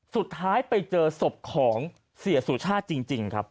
สุดท้ายไปเจอศพของเสียสุชาติจริงครับ